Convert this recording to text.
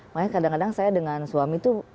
makanya kadang kadang saya dengan suami tuh